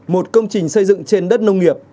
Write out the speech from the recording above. một công trình xây dựng trên đất nông nghiệp